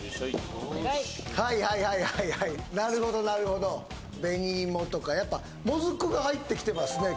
はいはいはいはいはいなるほどなるほど紅芋とかやっぱ「もずく」が入ってきてますね